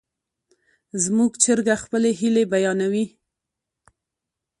زموږ چرګه خپلې هیلې بیانوي.